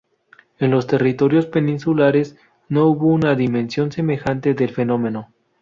En los territorios peninsulares no hubo una dimensión semejante del fenómeno.